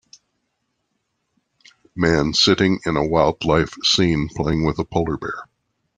man sitting in a wild life scene playing with a polar bear.